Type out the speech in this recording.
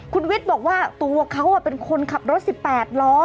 คุณวิทย์บอกว่าตัวเขาเป็นคนขับรถ๑๘ล้อ